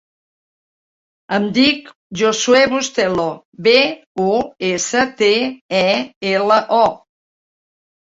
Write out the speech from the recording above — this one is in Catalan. Em dic Josuè Bustelo: be, u, essa, te, e, ela, o.